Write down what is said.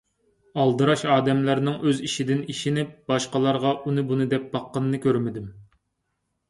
ئالدىراش ئادەملەرنىڭ ئۆز ئىشىدىن ئېشىنىپ باشقىلارغا ئۇنى بۇنى دەپ باققىنىنى كۆرمىدىم.